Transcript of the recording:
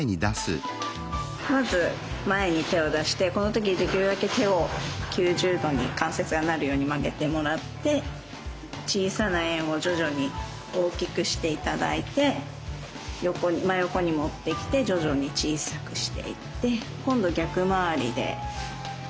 まず前に手を出してこの時できるだけ手を９０度に関節がなるように曲げてもらって小さな円を徐々に大きくして頂いて横に真横に持ってきて徐々に小さくしていって今度逆回りで。